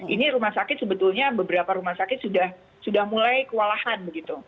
ini rumah sakit sebetulnya beberapa rumah sakit sudah mulai kewalahan begitu